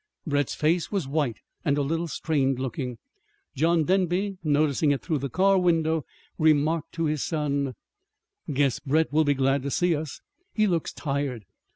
Brett's face was white and a little strained looking. John Denby, noticing it through the car window, remarked to his son: "Guess Brett will be glad to see us. He looks tired.